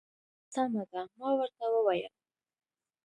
سمه ده. ما ورته وویل.